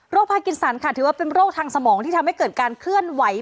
พากินสันค่ะถือว่าเป็นโรคทางสมองที่ทำให้เกิดการเคลื่อนไหว